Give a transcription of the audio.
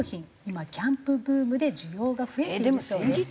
今キャンプブームで需要が増えているそうです。